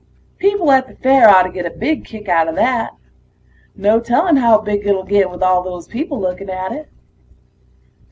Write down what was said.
People at the fair oughtta get a big kick outta that. No telling how big it'll get with all those people looking at it.